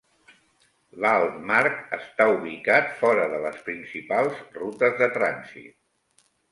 L'Altmark està ubicat fora de les principals rutes de trànsit.